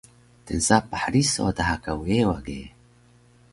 Tnsapah riso daha ka weewa ge